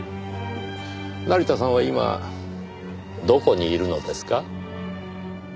成田さんは今どこにいるのですか？